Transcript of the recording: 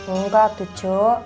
enggak tuh cu